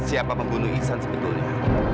siapa pembunuh iksan sebetulnya